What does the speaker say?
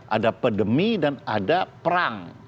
ada pandemi dan ada perang